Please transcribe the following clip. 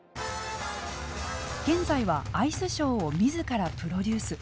現在はアイスショーを自らプロデュース。